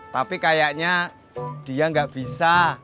tapi kayaknya dia nggak bisa